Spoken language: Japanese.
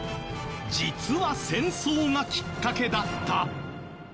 実は戦争がきっかけだった。